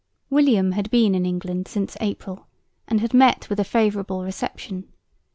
William had been in England since April and had met with a favourable reception.